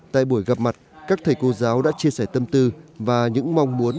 tại buổi gặp mặt các thầy cô giáo đã chia sẻ tâm tư và những mong muốn